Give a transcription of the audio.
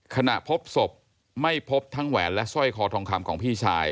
ขณะพบศพไม่พบทั้งแหวนและสร้อยคอทองคำของพี่ชาย